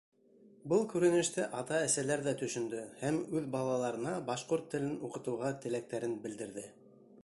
Был күренеште ата-әсәләр ҙә төшөндө һәм үҙ балаларына башҡорт телен уҡытыуға теләктәрен белдерҙе.